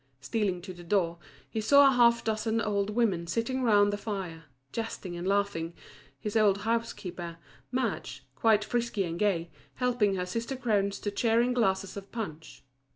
Stealing to the door, he saw half a dozen old women sitting round the fire, jesting and laughing, his old housekeeper, Madge, quite frisky and gay, helping her sister crones to cheering glasses of punch.